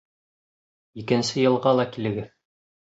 — Икенсе йылға ла килегеҙ.